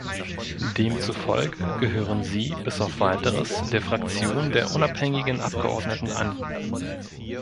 Demzufolge gehören Sie bis auf weiteres der Fraktion der unabhängigen Abgeordneten an.